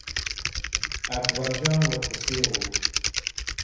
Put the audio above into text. اکبر جان ور پسې و.